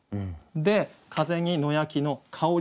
で「風に野焼の香りけり」。